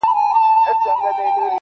حقيقت ورو ورو ورکيږي دلته,